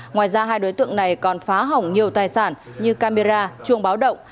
ngoài ra hai đối tượng này còn phá hỏng nhiều tài sản như camera chuông báo động